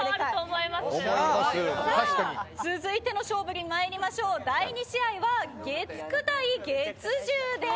続いての勝負にまいりましょう第２試合は月９対月１０です。